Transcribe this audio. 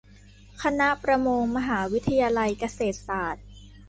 คณะประมง มหาวิทยาลัยเกษตรศาสตร์